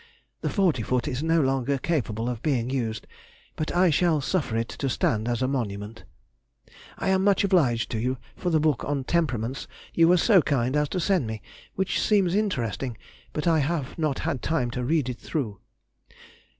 The forty foot is no longer capable of being used, but I shall suffer it to stand as a monument. I am much obliged to you for the book on temperaments you were so kind as to send me, which seems interesting, but I have not had time to read it through....